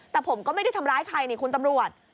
แต่ผมก็ไม่ได้ทำร้ายใครนี่คุณตำรวจ